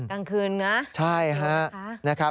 กลางคืนใช่ฮะ